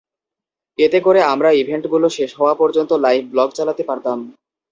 এতে করে আমরা ইভেন্টগুলো শেষ হওয়া পর্যন্ত লাইভ ব্লগ চালাতে পারতাম।